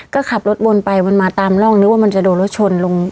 ก็ขับรถวนไปวนมาตามร่องนึกว่ามันจะโดนรถชนลง